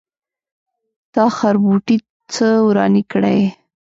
تا خربوټي څه ورانی کړی.